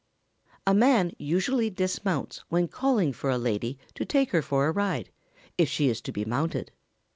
] A man usually dismounts when calling for a lady to take her for a ride, if she is to be mounted.